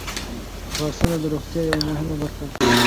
• غاښونه د روغتیا یوه مهمه برخه ده.